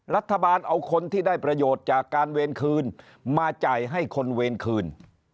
รัฐบาลเอาคนที่ได้ประโยชน์จากการเวรคืนมาจ่ายให้คนเวรคืน